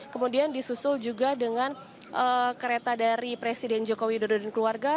kemudian disusul juga dengan kereta dari presiden joko widodo dan keluarga